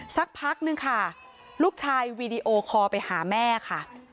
สักพักนึงค่ะลูกชายวีดีโอคอลไปหาแม่ค่ะ